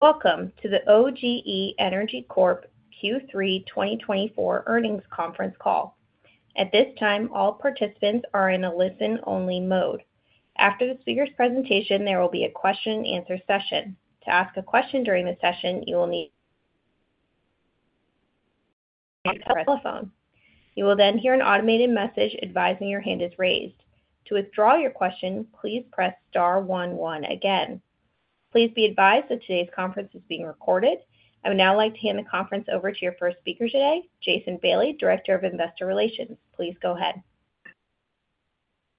Welcome to the OGE Energy Corp Q3 2024 earnings conference call. At this time, all participants are in a listen-only mode. After the speaker's presentation, there will be a question-and-answer session. To ask a question during the session, you will need to press star one. You will then hear an automated message advising your hand is raised. To withdraw your question, please press star one again. Please be advised that today's conference is being recorded. I would now like to hand the conference over to your first speaker today, Jason Bailey, Director of Investor Relations. Please go ahead.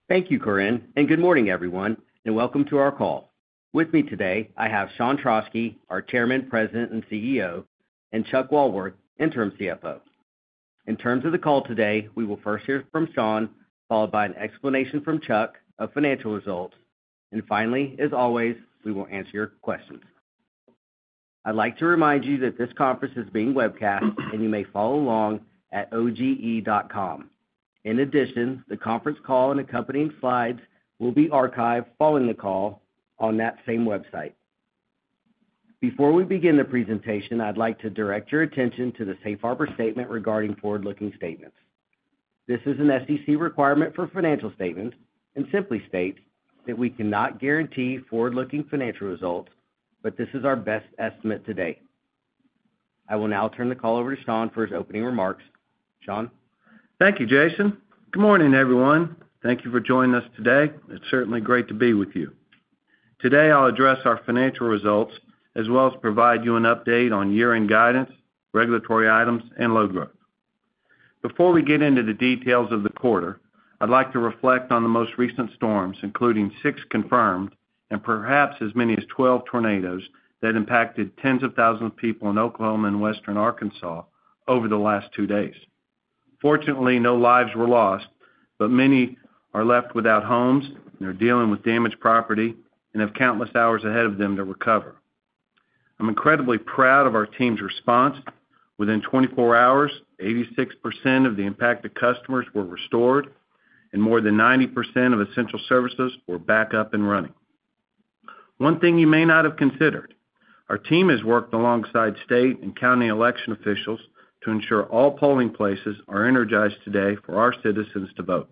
Thank you, Corinne, and good morning, everyone, and welcome to our call. With me today, I have Sean Trauschke, our Chairman, President, and CEO, and Chuck Walworth, Interim CFO. In terms of the call today, we will first hear from Sean, followed by an explanation from Chuck of financial results, and finally, as always, we will answer your questions. I'd like to remind you that this conference is being webcast, and you may follow along at oge.com. In addition, the conference call and accompanying slides will be archived following the call on that same website. Before we begin the presentation, I'd like to direct your attention to the Safe Harbor Statement regarding forward-looking statements. This is an SEC requirement for financial statements and simply states that we cannot guarantee forward-looking financial results, but this is our best estimate today. I will now turn the call over to Sean for his opening remarks. Sean. Thank you, Jason. Good morning, everyone. Thank you for joining us today. It's certainly great to be with you. Today, I'll address our financial results as well as provide you an update on year-end guidance, regulatory items, and load growth. Before we get into the details of the quarter, I'd like to reflect on the most recent storms, including six confirmed and perhaps as many as 12 tornadoes that impacted tens of thousands of people in Oklahoma and Western Arkansas over the last two days. Fortunately, no lives were lost, but many are left without homes, and they're dealing with damaged property and have countless hours ahead of them to recover. I'm incredibly proud of our team's response. Within 24 hours, 86% of the impacted customers were restored, and more than 90% of essential services were back up and running. One thing you may not have considered: our team has worked alongside state and county election officials to ensure all polling places are energized today for our citizens to vote.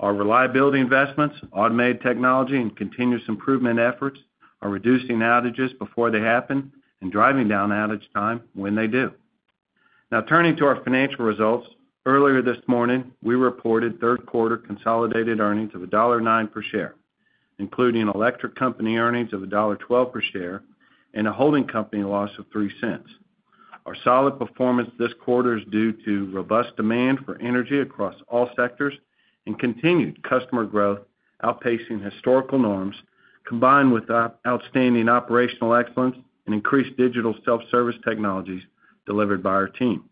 Our reliability investments, automated technology, and continuous improvement efforts are reducing outages before they happen and driving down outage time when they do. Now, turning to our financial results, earlier this morning, we reported third-quarter consolidated earnings of $1.09 per share, including electric company earnings of $1.12 per share and a holding company loss of $0.03. Our solid performance this quarter is due to robust demand for energy across all sectors and continued customer growth outpacing historical norms, combined with outstanding operational excellence and increased digital self-service technologies delivered by our team.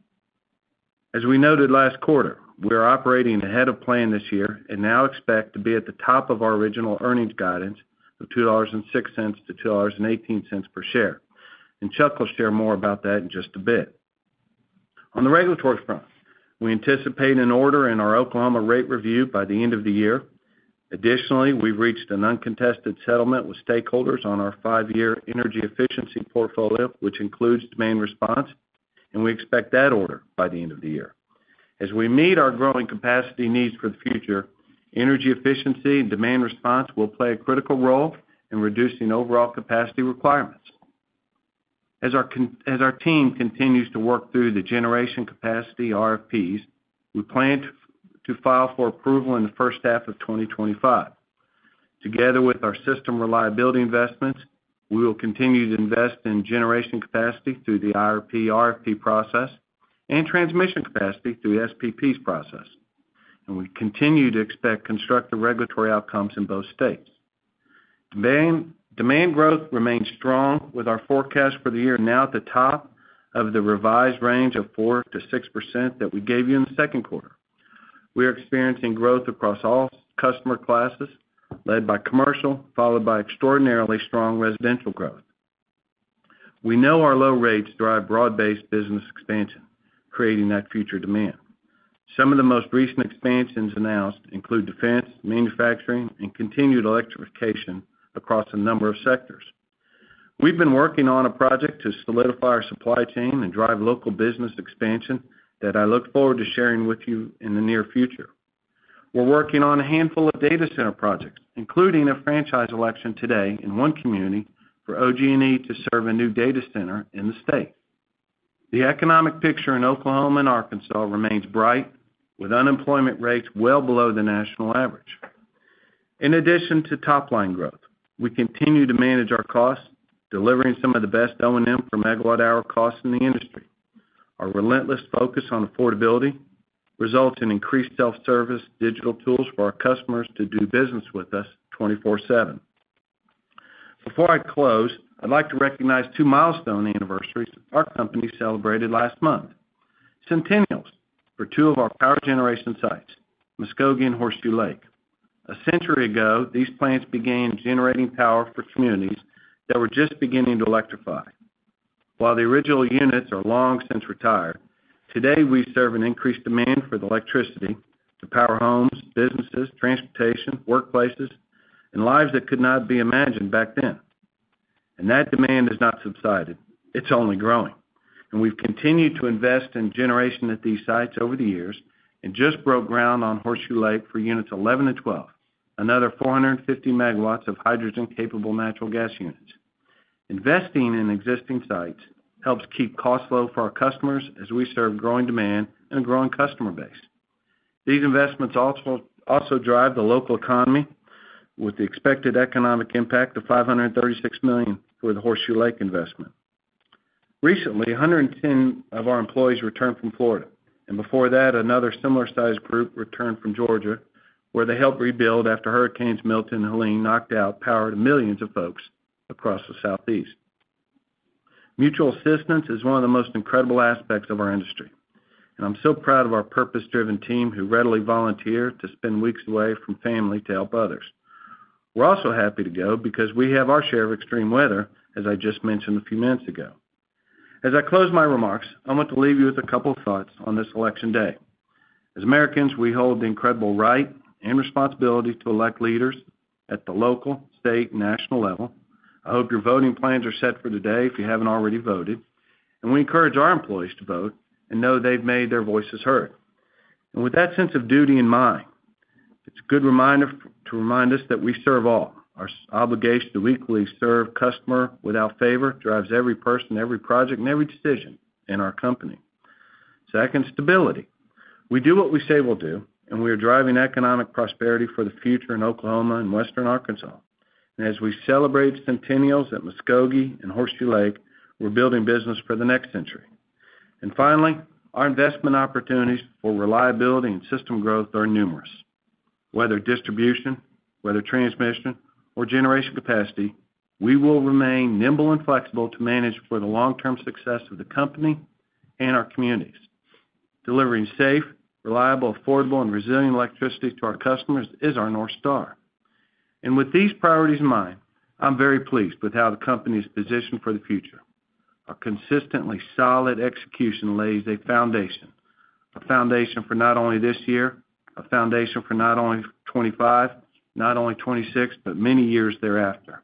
As we noted last quarter, we are operating ahead of plan this year and now expect to be at the top of our original earnings guidance of $2.06-$2.18 per share. And Chuck will share more about that in just a bit. On the regulatory front, we anticipate an order in our Oklahoma rate review by the end of the year. Additionally, we've reached an uncontested settlement with stakeholders on our five-year energy efficiency portfolio, which includes demand response, and we expect that order by the end of the year. As we meet our growing capacity needs for the future, energy efficiency and demand response will play a critical role in reducing overall capacity requirements. As our team continues to work through the generation capacity RFPs, we plan to file for approval in the first half of 2025. Together with our system reliability investments, we will continue to invest in generation capacity through the IRP RFP process and transmission capacity through SPP's process and we continue to expect constructive regulatory outcomes in both states. Demand growth remains strong, with our forecast for the year now at the top of the revised range of 4%-6% that we gave you in the second quarter. We are experiencing growth across all customer classes, led by commercial, followed by extraordinarily strong residential growth. We know our low rates drive broad-based business expansion, creating that future demand. Some of the most recent expansions announced include defense, manufacturing, and continued electrification across a number of sectors. We've been working on a project to solidify our supply chain and drive local business expansion that I look forward to sharing with you in the near future. We're working on a handful of data center projects, including a franchise election today in one community for OG&E to serve a new data center in the state. The economic picture in Oklahoma and Arkansas remains bright, with unemployment rates well below the national average. In addition to top-line growth, we continue to manage our costs, delivering some of the best O&M per megawatt-hour costs in the industry. Our relentless focus on affordability results in increased self-service digital tools for our customers to do business with us 24/7. Before I close, I'd like to recognize two milestone anniversaries our company celebrated last month: centennials for two of our power generation sites, Muskogee and Horseshoe Lake. A century ago, these plants began generating power for communities that were just beginning to electrify. While the original units are long since retired, today we serve an increased demand for the electricity to power homes, businesses, transportation, workplaces, and lives that could not be imagined back then, and that demand has not subsided. It's only growing, and we've continued to invest in generation at these sites over the years and just broke ground on Horseshoe Lake for units 11 and 12, another 450 MW of hydrogen-capable natural gas units. Investing in existing sites helps keep costs low for our customers as we serve growing demand and a growing customer base. These investments also drive the local economy, with the expected economic impact of $536 million for the Horseshoe Lake investment. Recently, 110 of our employees returned from Florida, and before that, another similar-sized group returned from Georgia, where they helped rebuild after Hurricanes Milton and Helene knocked out power to millions of folks across the Southeast. Mutual assistance is one of the most incredible aspects of our industry, and I'm so proud of our purpose-driven team who readily volunteer to spend weeks away from family to help others. We're also happy to go because we have our share of extreme weather, as I just mentioned a few minutes ago. As I close my remarks, I want to leave you with a couple of thoughts on this Election Day. As Americans, we hold the incredible right and responsibility to elect leaders at the local, state, and national level. I hope your voting plans are set for today if you haven't already voted, and we encourage our employees to vote and know they've made their voices heard. And with that sense of duty in mind, it's a good reminder to remind us that we serve all. Our obligation to equally serve customers without favor drives every person, every project, and every decision in our company. Second, stability. We do what we say we'll do, and we are driving economic prosperity for the future in Oklahoma and Western Arkansas. And as we celebrate centennials at Muskogee and Horseshoe Lake, we're building business for the next century. And finally, our investment opportunities for reliability and system growth are numerous. Whether distribution, whether transmission, or generation capacity, we will remain nimble and flexible to manage for the long-term success of the company and our communities. Delivering safe, reliable, affordable, and resilient electricity to our customers is our North Star. And with these priorities in mind, I'm very pleased with how the company is positioned for the future. Our consistently solid execution lays a foundation, a foundation for not only this year, a foundation for not only 2025, not only 2026, but many years thereafter.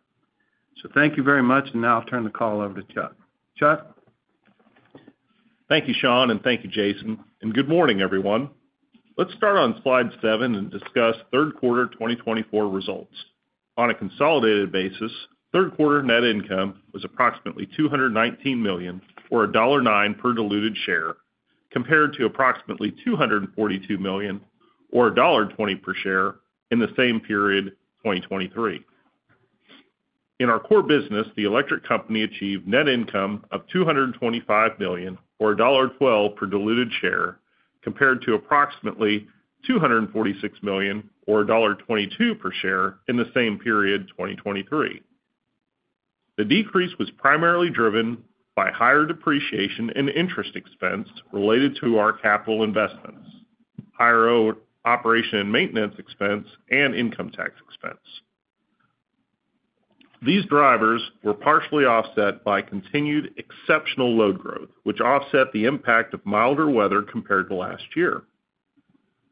So thank you very much, and now I'll turn the call over to Chuck. Chuck. Thank you`, Sean, and thank you, Jason, and good morning, everyone. Let's start on slide seven and discuss third quarter 2024 results. On a consolidated basis, third quarter net income was approximately $219 million, or $1.09 per diluted share, compared to approximately $242 million, or $1.20 per share in the same period, 2023. In our core business, the electric company achieved net income of $225 million, or $1.12 per diluted share, compared to approximately $246 million, or $1.22 per share in the same period, 2023. The decrease was primarily driven by higher depreciation and interest expense related to our capital investments, higher operation and maintenance expense, and income tax expense. These drivers were partially offset by continued exceptional load growth, which offset the impact of milder weather compared to last year.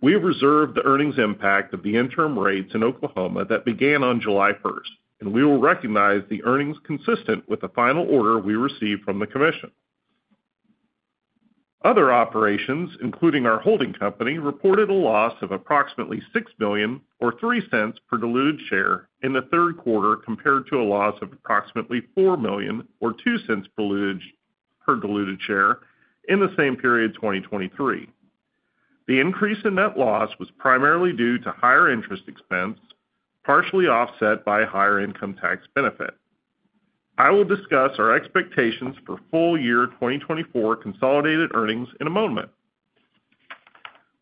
We have reserved the earnings impact of the interim rates in Oklahoma that began on July 1st, and we will recognize the earnings consistent with the final order we received from the commission. Other operations, including our holding company, reported a loss of approximately $6 million, or $0.03 per diluted share in the third quarter compared to a loss of approximately $4 million, or $0.02 per diluted share in the same period, 2023. The increase in net loss was primarily due to higher interest expense, partially offset by a higher income tax benefit. I will discuss our expectations for full-year 2024 consolidated earnings in a moment.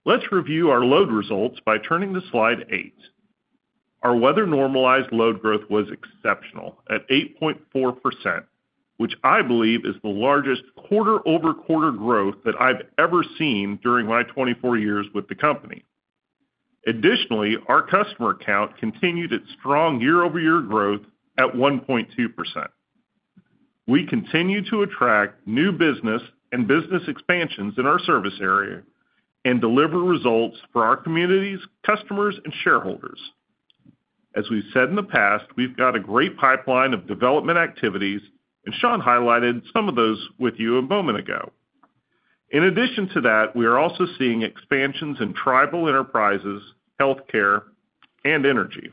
Let's review our load results by turning to slide eight. Our weather-normalized load growth was exceptional at 8.4%, which I believe is the largest quarter-over-quarter growth that I've ever seen during my 24 years with the company. Additionally, our customer count continued its strong year-over-year growth at 1.2%. We continue to attract new business and business expansions in our service area and deliver results for our communities, customers, and shareholders. As we've said in the past, we've got a great pipeline of development activities, and Sean highlighted some of those with you a moment ago. In addition to that, we are also seeing expansions in tribal enterprises, healthcare, and energy.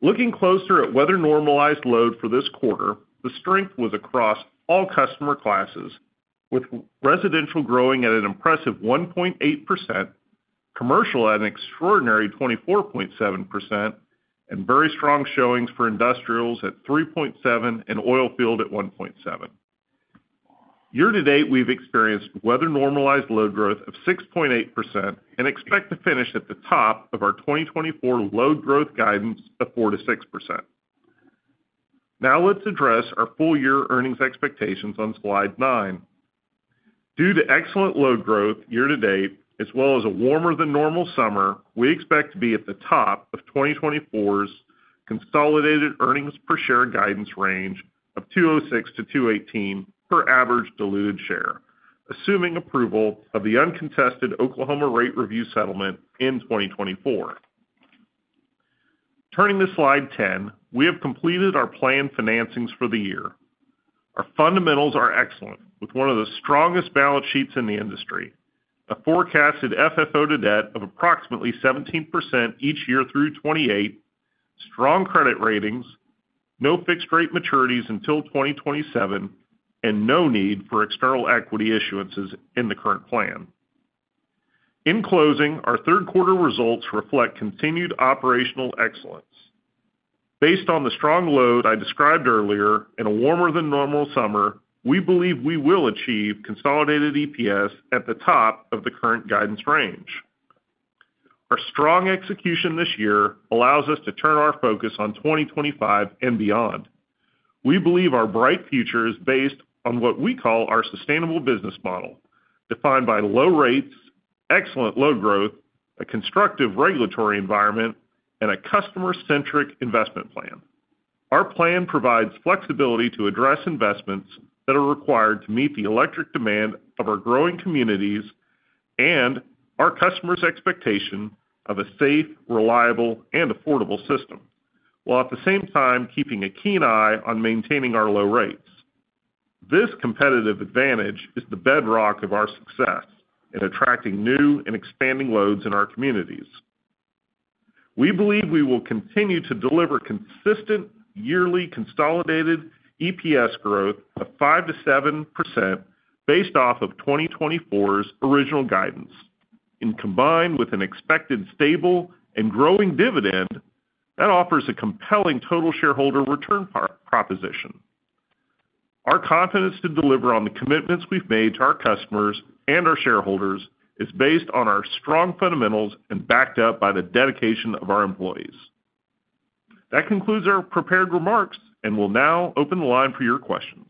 Looking closer at weather-normalized load for this quarter, the strength was across all customer classes, with residential growing at an impressive 1.8%, commercial at an extraordinary 24.7%, and very strong showings for industrials at 3.7% and oil field at 1.7%. Year-to-date, we've experienced weather-normalized load growth of 6.8% and expect to finish at the top of our 2024 load growth guidance of 4%-6%. Now, let's address our full-year earnings expectations on slide nine. Due to excellent load growth year-to-date, as well as a warmer-than-normal summer, we expect to be at the top of 2024's consolidated earnings per share guidance range of $2.06-$2.18 per average diluted share, assuming approval of the uncontested Oklahoma rate review settlement in 2024. Turning to slide ten, we have completed our planned financings for the year. Our fundamentals are excellent, with one of the strongest balance sheets in the industry, a forecasted FFO to debt of approximately 17% each year through 2028, strong credit ratings, no fixed-rate maturities until 2027, and no need for external equity issuances in the current plan. In closing, our third-quarter results reflect continued operational excellence. Based on the strong load I described earlier and a warmer-than-normal summer, we believe we will achieve consolidated EPS at the top of the current guidance range. Our strong execution this year allows us to turn our focus on 2025 and beyond. We believe our bright future is based on what we call our sustainable business model, defined by low rates, excellent load growth, a constructive regulatory environment, and a customer-centric investment plan. Our plan provides flexibility to address investments that are required to meet the electric demand of our growing communities and our customers' expectation of a safe, reliable, and affordable system, while at the same time keeping a keen eye on maintaining our low rates. This competitive advantage is the bedrock of our success in attracting new and expanding loads in our communities. We believe we will continue to deliver consistent yearly consolidated EPS growth of 5%-7% based off of 2024's original guidance, combined with an expected stable and growing dividend that offers a compelling total shareholder return proposition. Our confidence to deliver on the commitments we've made to our customers and our shareholders is based on our strong fundamentals and backed up by the dedication of our employees. That concludes our prepared remarks, and we'll now open the line for your questions.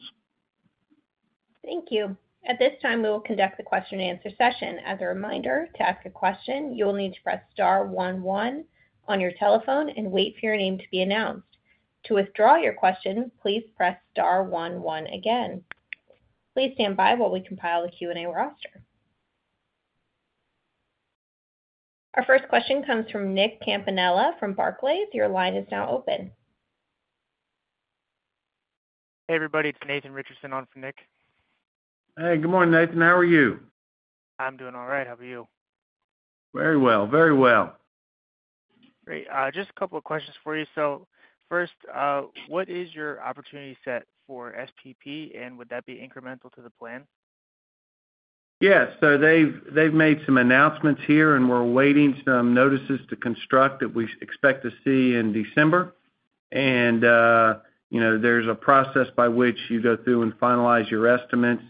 Thank you. At this time, we will conduct the question-and-answer session. As a reminder, to ask a question, you will need to press star one one on your telephone and wait for your name to be announced. To withdraw your question, please press star one one again. Please stand by while we compile the Q&A roster. Our first question comes from Nick Campanella from Barclays. Your line is now open. Hey, everybody. It's Nathan Richardson on for Nick. Hey, good morning, Nathan. How are you? I'm doing all right. How about you? Very well. Very well. Great. Just a couple of questions for you. So first, what is your opportunity set for SPP, and would that be incremental to the plan? Yeah. So they've made some announcements here, and we're awaiting some notices to construct that we expect to see in December. And there's a process by which you go through and finalize your estimates.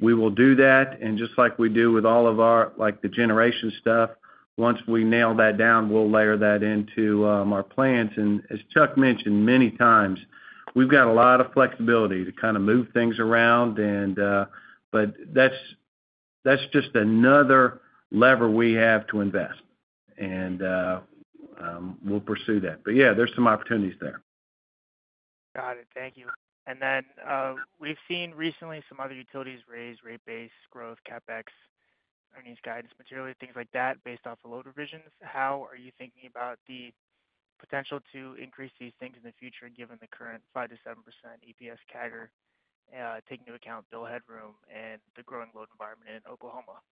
We will do that. And just like we do with all of our generation stuff, once we nail that down, we'll layer that into our plans. And as Chuck mentioned many times, we've got a lot of flexibility to kind of move things around, but that's just another lever we have to invest, and we'll pursue that. But yeah, there's some opportunities there. Got it. Thank you, and then we've seen recently some other utilities raise rate base growth, CapEx, earnings guidance materially, things like that based off of load revisions. How are you thinking about the potential to increase these things in the future given the current 5%-7% EPS CAGR, taking into account bill headroom and the growing load environment in Oklahoma?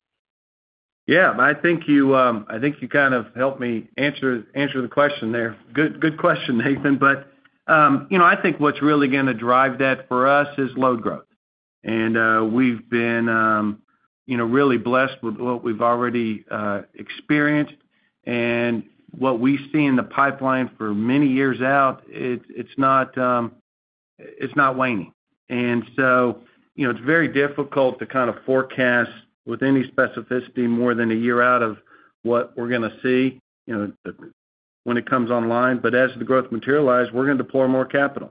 Yeah. I think you kind of helped me answer the question there. Good question, Nathan. But I think what's really going to drive that for us is load growth. And we've been really blessed with what we've already experienced. And what we see in the pipeline for many years out, it's not waning. And so it's very difficult to kind of forecast with any specificity more than a year out of what we're going to see when it comes online. But as the growth materializes, we're going to deploy more capital.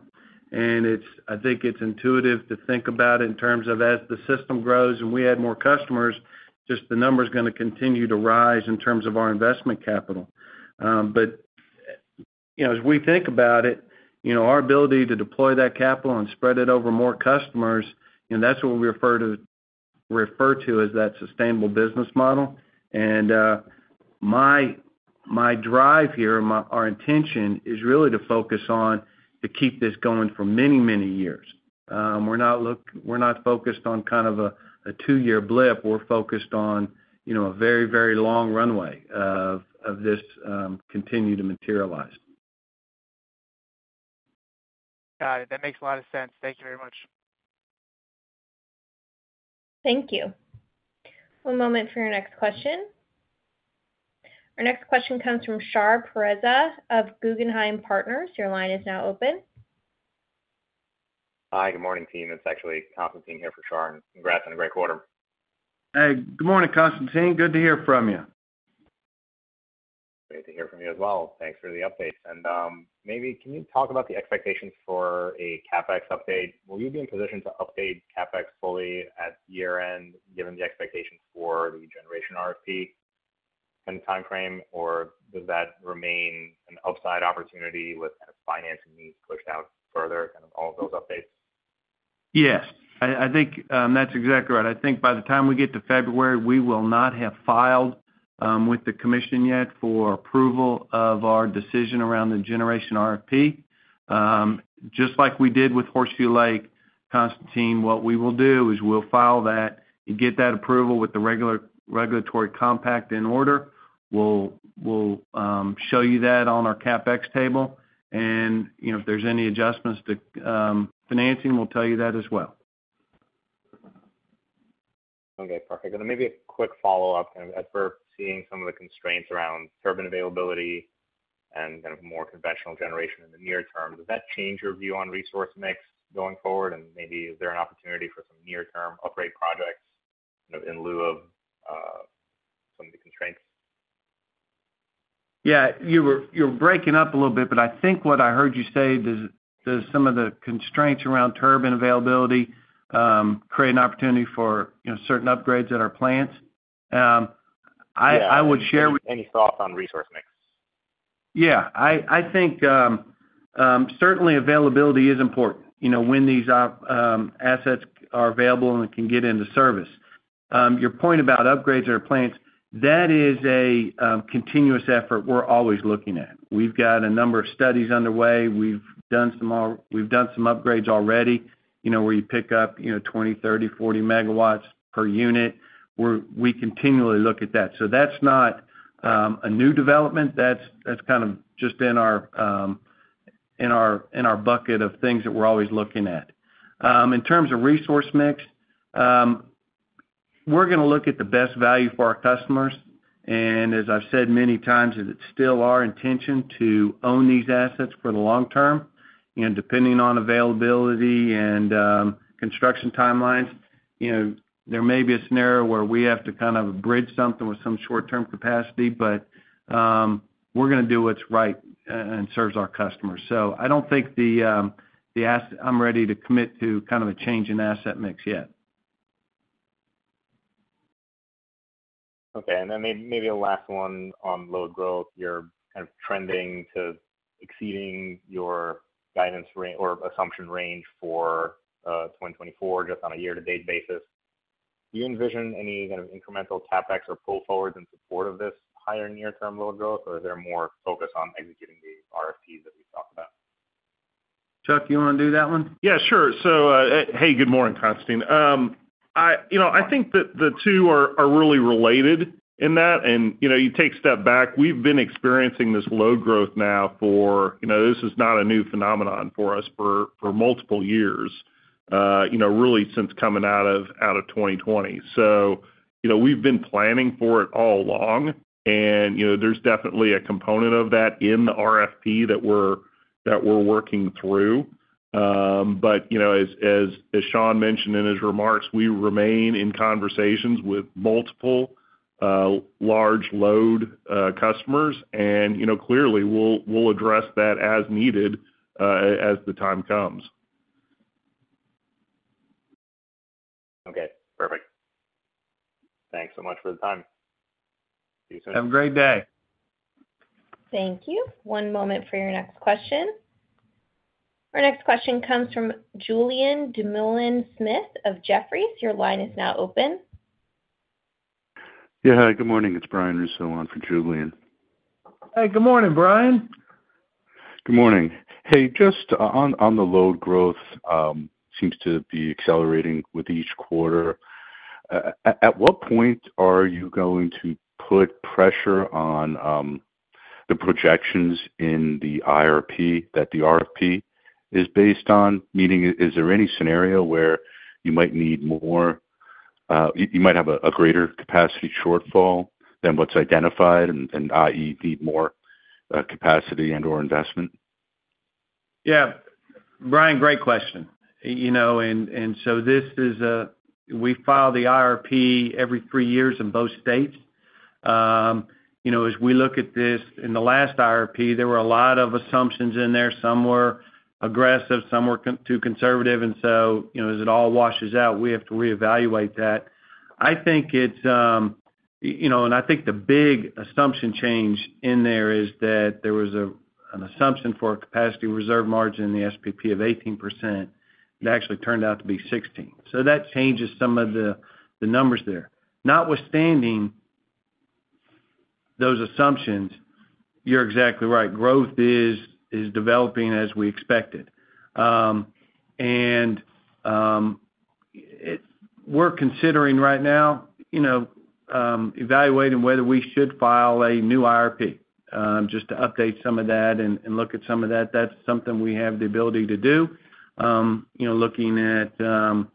And I think it's intuitive to think about it in terms of as the system grows and we add more customers, just the number is going to continue to rise in terms of our investment capital. But as we think about it, our ability to deploy that capital and spread it over more customers, that's what we refer to as that sustainable business model. And my drive here, our intention is really to focus on to keep this going for many, many years. We're not focused on kind of a two-year blip. We're focused on a very, very long runway of this continuing to materialize. Got it. That makes a lot of sense. Thank you very much. Thank you. One moment for your next question. Our next question comes from Shar Pourreza of Guggenheim Partners. Your line is now open. Hi, good morning, team. It's actually Constantine here for Shar. Congrats on a great quarter. Hey, good morning, Constantine. Good to hear from you. Great to hear from you as well. Thanks for the updates. And maybe can you talk about the expectations for a CapEx update? Will you be in position to update CapEx fully at year-end, given the expectations for the generation RFP kind of time frame, or does that remain an upside opportunity with kind of financing needs pushed out further, kind of all of those updates? Yes. I think that's exactly right. I think by the time we get to February, we will not have filed with the commission yet for approval of our decision around the generation RFP. Just like we did with Horseshoe Lake, Constantine, what we will do is we'll file that and get that approval with the regulatory compact in order. We'll show you that on our CapEx table. And if there's any adjustments to financing, we'll tell you that as well. Okay. Perfect. And maybe a quick follow-up, kind of as we're seeing some of the constraints around turbine availability and kind of more conventional generation in the near term, does that change your view on resource mix going forward? And maybe is there an opportunity for some near-term upgrade projects in lieu of some of the constraints? Yeah. You're breaking up a little bit, but I think what I heard you say, does some of the constraints around turbine availability create an opportunity for certain upgrades at our plants? I would share. Any thoughts on resource mix? Yeah. I think certainly availability is important when these assets are available and can get into service. Your point about upgrades at our plants, that is a continuous effort we're always looking at. We've got a number of studies underway. We've done some upgrades already where you pick up 20, 30, 40 MW per unit. We continually look at that. So that's not a new development. That's kind of just in our bucket of things that we're always looking at. In terms of resource mix, we're going to look at the best value for our customers. And as I've said many times, it's still our intention to own these assets for the long term. Depending on availability and construction timelines, there may be a scenario where we have to kind of bridge something with some short-term capacity, but we're going to do what's right and serves our customers. So I don't think I'm ready to commit to kind of a change in asset mix yet. Okay. And then maybe a last one on load growth. You're kind of trending to exceeding your guidance or assumption range for 2024 just on a year-to-date basis. Do you envision any kind of incremental CapEx or pull forwards in support of this higher near-term load growth, or is there more focus on executing the RFPs that we've talked about? Chuck, do you want to do that one? Yeah, sure. So hey, good morning, Constantine. I think that the two are really related in that. And you take a step back, we've been experiencing this low growth now for this is not a new phenomenon for us for multiple years, really since coming out of 2020. So we've been planning for it all along. And there's definitely a component of that in the RFP that we're working through. But as Sean mentioned in his remarks, we remain in conversations with multiple large load customers. And clearly, we'll address that as needed as the time comes. Okay. Perfect. Thanks so much for the time. See you soon. Have a great day. Thank you. One moment for your next question. Our next question comes from Julian Dumoulin-Smith of Jefferies. Your line is now open. Yeah. Hi, good morning. It's Brian Russo on for Julian. Hey, good morning, Brian. Good morning. Hey, just on the load growth, seems to be accelerating with each quarter. At what point are you going to put pressure on the projections in the IRP that the RFP is based on? Meaning, is there any scenario where you might need more, you might have a greater capacity shortfall than what's identified, and i.e., need more capacity and/or investment? Yeah. Brian, great question. And so this is, we file the IRP every three years in both states. As we look at this, in the last IRP, there were a lot of assumptions in there. Some were aggressive, some were too conservative. And so as it all washes out, we have to reevaluate that. I think the big assumption change in there is that there was an assumption for a capacity reserve margin in the SPP of 18%. It actually turned out to be 16%. So that changes some of the numbers there. Notwithstanding those assumptions, you're exactly right. Growth is developing as we expected. And we're considering right now evaluating whether we should file a new IRP just to update some of that and look at some of that. That's something we have the ability to do, looking at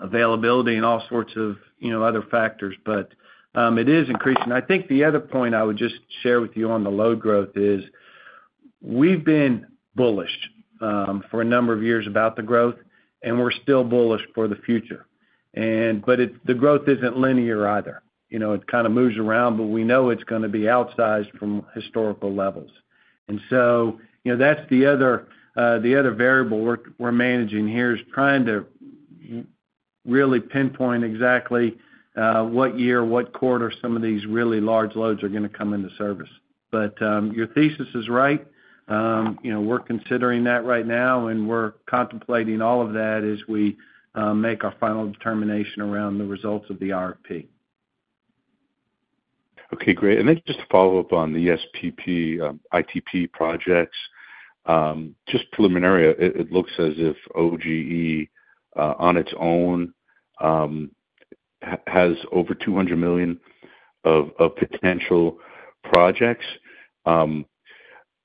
availability and all sorts of other factors. But it is increasing. I think the other point I would just share with you on the load growth is we've been bullish for a number of years about the growth, and we're still bullish for the future. But the growth isn't linear either. It kind of moves around, but we know it's going to be outsized from historical levels. And so that's the other variable we're managing here is trying to really pinpoint exactly what year, what quarter some of these really large loads are going to come into service. But your thesis is right. We're considering that right now, and we're contemplating all of that as we make our final determination around the results of the RFP. Okay. Great. And then just to follow-up on the SPP ITP projects, just preliminary, it looks as if OGE on its own has over $200 million of potential projects.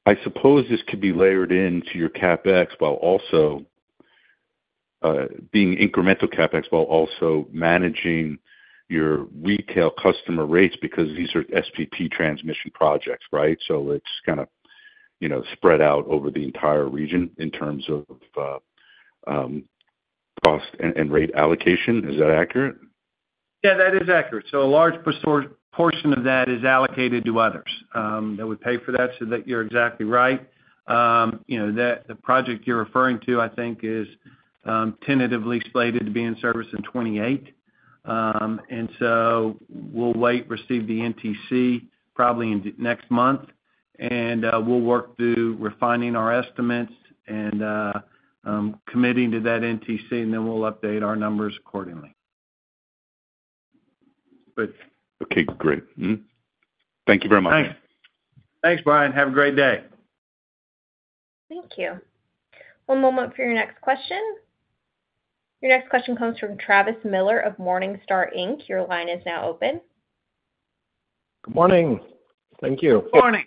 I suppose this could be layered into your CapEx while also being incremental CapEx while also managing your retail customer rates because these are SPP transmission projects, right? So it's kind of spread out over the entire region in terms of cost and rate allocation. Is that accurate? Yeah, that is accurate. So a large portion of that is allocated to others that would pay for that. So you're exactly right. The project you're referring to, I think, is tentatively slated to be in service in 2028, and so we'll wait, receive the NTC probably next month, and we'll work through refining our estimates and committing to that NTC, and then we'll update our numbers accordingly. Good. Okay. Great. Thank you very much. Thanks. Thanks, Brian. Have a great day. Thank you. One moment for your next question. Your next question comes from Travis Miller of Morningstar, Inc. Your line is now open. Good morning. Thank you. Good morning.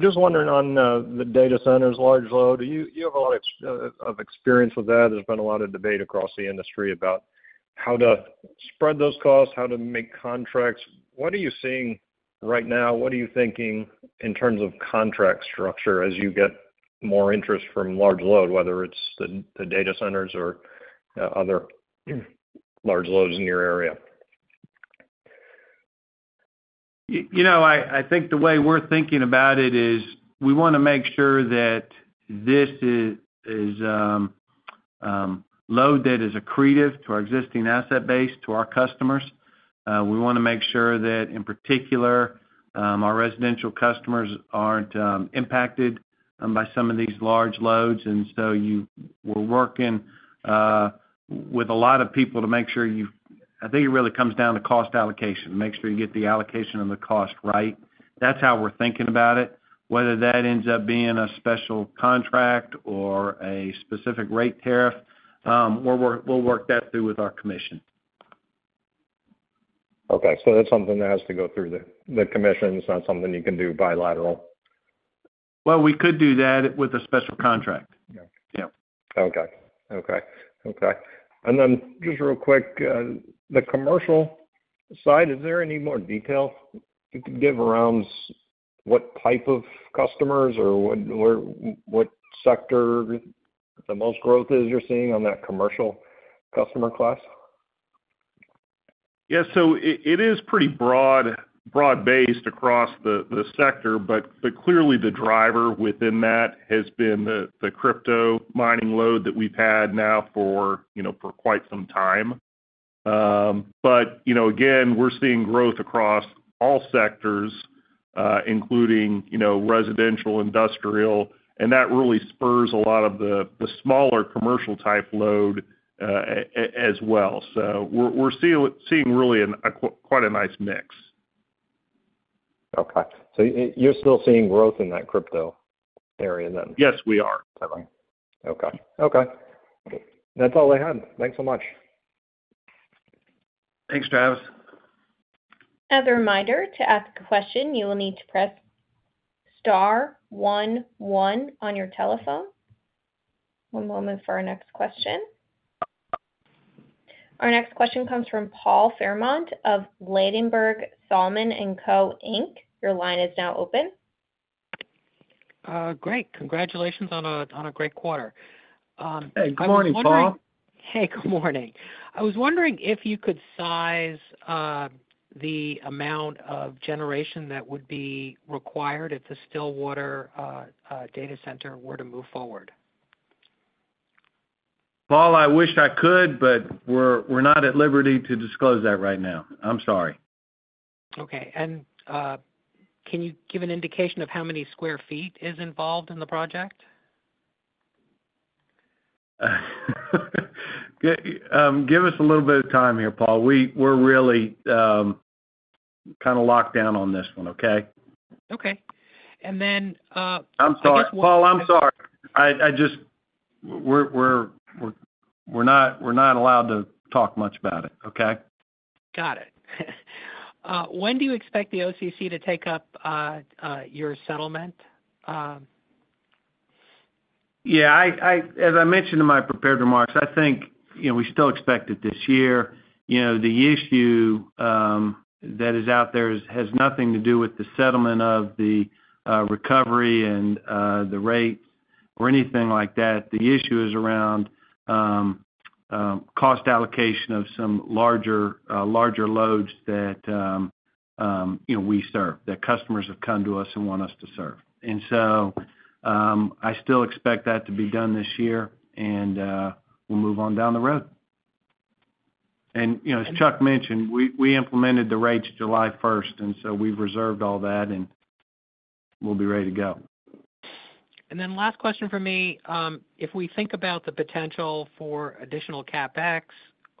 Just wondering on the data centers, large load, you have a lot of experience with that. There's been a lot of debate across the industry about how to spread those costs, how to make contracts. What are you seeing right now? What are you thinking in terms of contract structure as you get more interest from large load, whether it's the data centers or other large loads in your area? I think the way we're thinking about it is we want to make sure that this is load that is accretive to our existing asset base to our customers. We want to make sure that, in particular, our residential customers aren't impacted by some of these large loads. And so we're working with a lot of people to make sure. I think it really comes down to cost allocation, make sure you get the allocation of the cost right. That's how we're thinking about it. Whether that ends up being a special contract or a specific rate tariff, we'll work that through with our commission. Okay. So that's something that has to go through the commission. It's not something you can do bilaterally. We could do that with a special contract. Yeah. Okay. And then just real quick, the commercial side, is there any more detail you can give around what type of customers or what sector the most growth is you're seeing on that commercial customer class? Yeah. So it is pretty broad-based across the sector, but clearly the driver within that has been the crypto mining load that we've had now for quite some time. But again, we're seeing growth across all sectors, including residential, industrial. And that really spurs a lot of the smaller commercial-type load as well. So we're seeing really quite a nice mix. Okay, so you're still seeing growth in that crypto area then? Yes, we are. Okay. That's all I had. Thanks so much. Thanks, Travis. As a reminder, to ask a question, you will need to press star one one on your telephone. One moment for our next question. Our next question comes from Paul Fremont of Ladenburg Thalmann & Co Inc. Your line is now open. Great. Congratulations on a great quarter. Hey. Good morning, Paul. Hey. Good morning. I was wondering if you could size the amount of generation that would be required if the Stillwater data center were to move forward? Paul, I wish I could, but we're not at liberty to disclose that right now. I'm sorry. Okay. And can you give an indication of how many square feet is involved in the project? Give us a little bit of time here, Paul. We're really kind of locked down on this one, okay? Okay. And then. I'm sorry, Paul. I'm sorry. We're not allowed to talk much about it, okay? Got it. When do you expect the OCC to take up your settlement? Yeah. As I mentioned in my prepared remarks, I think we still expect it this year. The issue that is out there has nothing to do with the settlement of the recovery and the rates or anything like that. The issue is around cost allocation of some larger loads that we serve, that customers have come to us and want us to serve. And so I still expect that to be done this year, and we'll move on down the road. And as Chuck mentioned, we implemented the rates July 1st, and so we've reserved all that, and we'll be ready to go. Last question for me. If we think about the potential for additional CapEx,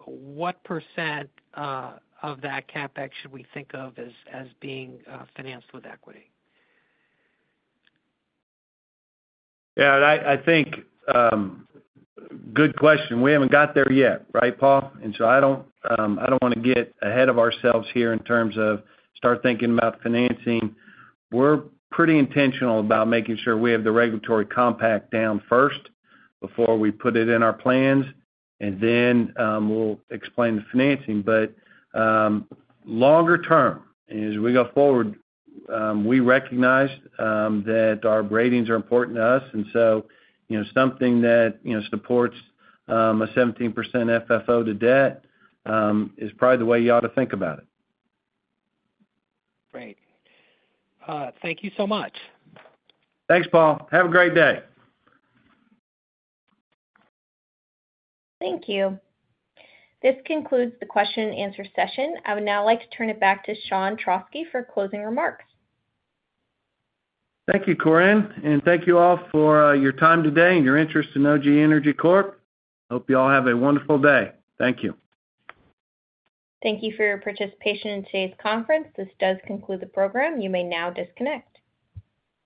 what percent of that CapEx should we think of as being financed with equity? Yeah. I think good question. We haven't got there yet, right, Paul? And so I don't want to get ahead of ourselves here in terms of start thinking about financing. We're pretty intentional about making sure we have the regulatory compact down first before we put it in our plans, and then we'll explain the financing. But longer term, as we go forward, we recognize that our ratings are important to us. And so something that supports a 17% FFO to debt is probably the way you ought to think about it. Great. Thank you so much. Thanks, Paul. Have a great day. Thank you. This concludes the question-and-answer session. I would now like to turn it back to Sean Trauschke for closing remarks. Thank you, Corinne. And thank you all for your time today and your interest in OGE Energy Corp. Hope you all have a wonderful day. Thank you. Thank you for your participation in today's conference. This does conclude the program. You may now disconnect.